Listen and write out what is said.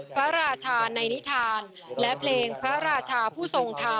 พระราชาในนิทานและเพลงพระราชาผู้ทรงธรรม